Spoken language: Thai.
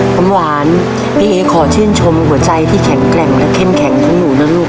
น้ำหวานพี่เอ๊ขอชื่นชมหัวใจที่แข็งแกร่งและเข้มแข็งของหนูนะลูก